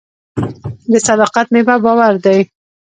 د صداقت میوه باور دی.